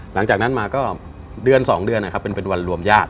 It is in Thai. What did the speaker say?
หลังจากนั้นมาก็เดือน๒เดือนนะครับเป็นวันรวมญาติ